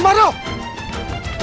masih ada apa